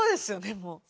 もう。